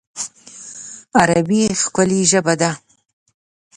عربي ښکلی ژبه ده